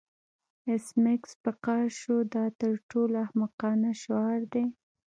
ایس میکس په قهر شو دا تر ټولو احمقانه شعار دی